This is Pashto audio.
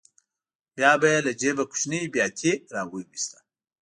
بیا به یې له جېبه کوچنۍ بیاتي راوویسته.